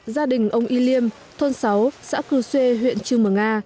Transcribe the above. gia đình ông y liêm thôn sáu xã cư xê huyện trương mở nga